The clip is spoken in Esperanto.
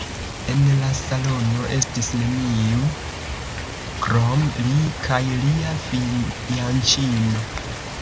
En la salono estis neniu krom li kaj lia fianĉino.